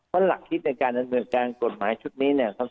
เพราะหลักคิดในการดำเนินการกฎหมายชุดนี้เนี่ย